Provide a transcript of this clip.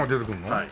はい。